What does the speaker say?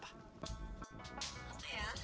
gapelit mau apa